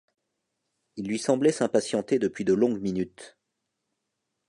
Il lui semblait s’impatienter depuis de longues minutes.